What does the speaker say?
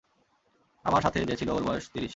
আমার সাথে যে ছিলো ওর বয়স ত্রিশ।